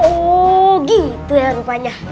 oh gitu ya rupanya